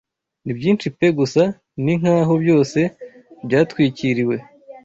Ni byinshi pe gusa ni nk’aho byose byatwikiriwe